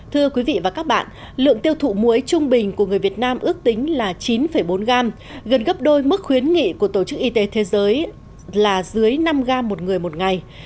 thưa quý vị và các bạn lượng tiêu thụ muối trung bình của người việt nam ước tính là chín bốn gram gần gấp đôi mức khuyến nghị của tổ chức y tế thế giới là dưới năm gram một người một ngày